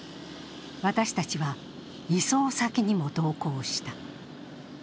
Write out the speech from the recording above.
私たちは移送先にも同行した。